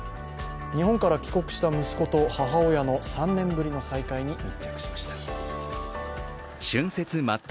日本から帰国した息子と母親の３年ぶりの再会に密着しました。